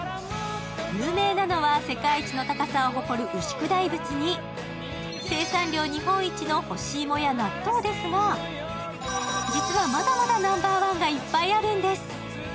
有名なのは、世界一の高さを誇る牛久大仏に、生産量日本一の干し芋や納豆ですが、実はまだまだナンバーワンがいっぱいあるんです。